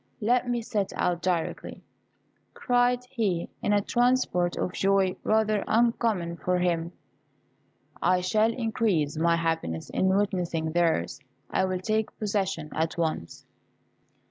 Let me set out directly," cried he, in a transport of joy rather uncommon for him; "I shall increase my happiness in witnessing theirs: I will take possession at once."